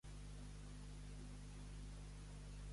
Que el coneixem?